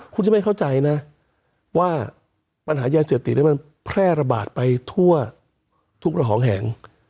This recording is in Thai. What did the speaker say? คุณจะไม่เข้าใจนะว่าปัญหายาเสพติดมันแพร่ระบาดไปทั่วทุกระหองแห่ง